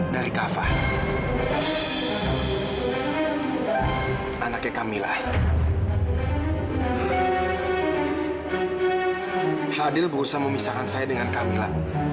dan dokter effendi berusaha memisahkan om dengan kamila